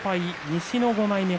西の５枚目。